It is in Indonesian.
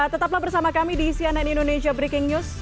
tetaplah bersama kami di sian and indonesia breaking news